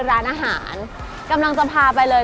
ร้านอาหารกำลังจะพาไปเลย